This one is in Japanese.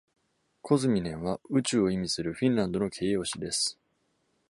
「Kosminen」は「宇宙」を意味するフィンランドの形容詞です。